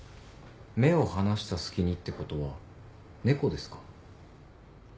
目を離した隙にってことは猫ですか？